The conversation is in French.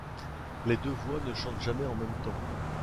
Les deux voix ne chantent jamais en même temps.